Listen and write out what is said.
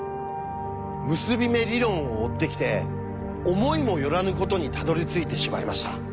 結び目理論を追ってきて思いも寄らぬことにたどりついてしまいました。